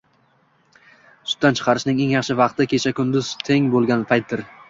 Sutdan chiqarishning eng yaxshi vaqti kecha-kunduz teng bo‘lgan paytdir.